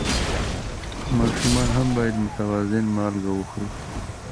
ماشومان هم باید متوازن مالګه وخوري.